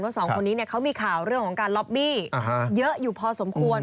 สองคนนี้เขามีข่าวเรื่องของการล็อบบี้เยอะอยู่พอสมควร